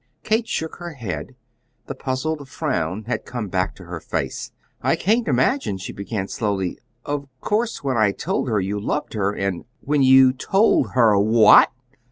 Kate shook her head. The puzzled frown had come back to her face. "I can't imagine," she began slowly. "Of course, when I told her you loved her and " "When you told her wha at?"